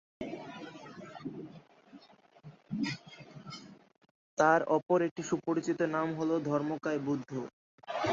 তাঁর অপর একটি সুপরিচিত নাম হল ধর্মকায় বুদ্ধ।